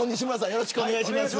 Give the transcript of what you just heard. よろしくお願いします。